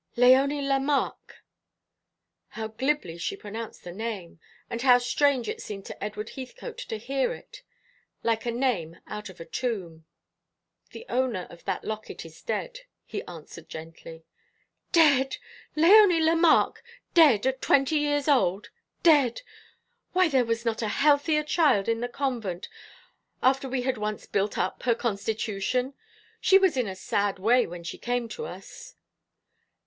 "Léonie Lemarque!" How glibly she pronounced the name; and how strange it seemed to Edward Heathcote to hear it! Like a name out of a tomb. "The owner of that locket is dead," he answered gently. "Dead! Léonie Lemarque! Dead at twenty years old! Dead! Why, there was not a healthier child in the convent, after we had once built up her constitution. She was in a sad way when she came to us."